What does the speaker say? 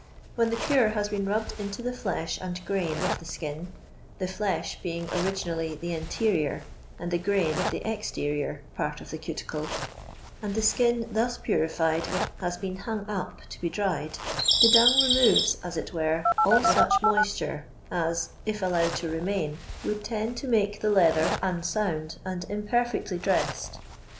When the pure has been rubbed into the flesh and grain of the skin (the " flesh" being originally the interior, and the "grain" the exterior part of tlie cuticle), and the skin, thus purified, has been hung up to be dried, the dung removes, as it were, all such moisture as, if allowed to remain, would tend to nuikc the leather unsound or imperfectly dressed.